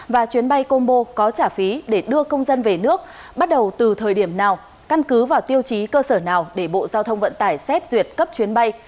và chuyến bay combo có trả phí để đưa công dân về nước bắt đầu từ thời điểm nào căn cứ vào tiêu chí cơ sở nào để bộ giao thông vận tải xét duyệt cấp chuyến bay